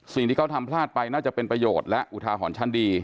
สิ่งที่เขาทำพลาดไปน่าจะเป็นประโยชน์และอุทาหรณ์ชั้นดี